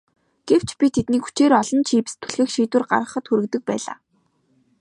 Гэвч би тэднийг хүчээр олон чипс түлхэх шийдвэр гаргахад хүргэдэг байлаа.